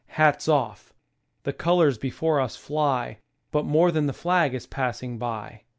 Hats off ! The colors before us fly, But more than the flag is passing by.